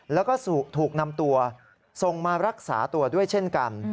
แล้วก็ถูกนำตัวส่งมารักษาตัวด้วยเช่นกัน